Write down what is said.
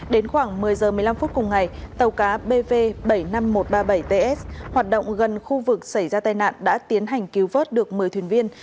đến khoảng một mươi h một mươi năm phút cùng ngày tàu cá bv bảy mươi năm nghìn một trăm ba mươi bảy ts hoạt động gần khu vực xảy ra tai nạn đã tiến hành cứu vớt được một mươi thuyền viên